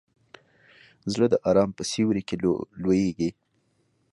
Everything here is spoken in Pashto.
زړه د ارام په سیوري کې لویېږي.